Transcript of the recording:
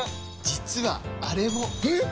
実はあれも！え！？